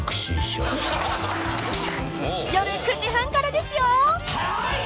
［夜９時半からですよ］